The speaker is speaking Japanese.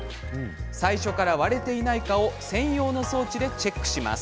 最初から割れていないか専用の装置でチェックします。